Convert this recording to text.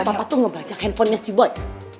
papa tuh ngebajak handphonenya si boy